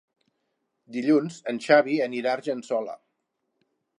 Dilluns en Xavi anirà a Argençola.